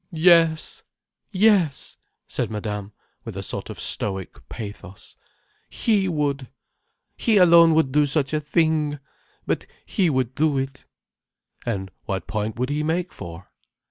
"Yes! Yes!" said Madame, with a sort of stoic pathos. "He would. He alone would do such a thing. But he would do it." "And what point would he make for?"